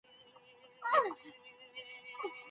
تدریسي نصاب له پامه نه غورځول کیږي.